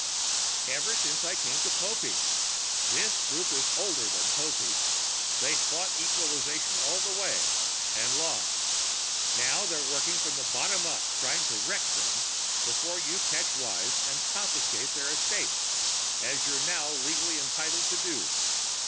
"Ever since I came to Popeek. This group is older than Popeek. They fought equalization all the way, and lost. Now they're working from the bottom up and trying to wreck things before you catch wise and confiscate their estates, as you're now legally entitled to do."